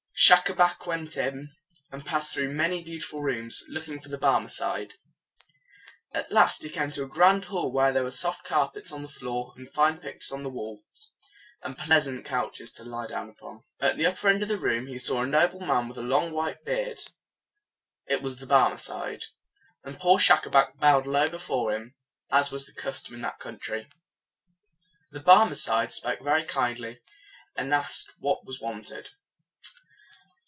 Schacabac went in, and passed through many beautiful rooms, looking for the Barmecide. At last he came to a grand hall where there were soft carpets on the floor, and fine pictures on the walls, and pleasant couches to lie down upon. At the upper end of the room he saw a noble man with a long white beard. It was the Barmecide; and poor Schacabac bowed low before him, as was the custom in that country. The Barmecide spoke very kindly, and asked what was wanted.